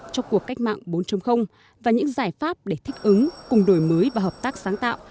trong cuộc cách mạng bốn và những giải pháp để thích ứng cùng đổi mới và hợp tác sáng tạo